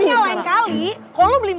ini lebih mohon goodbye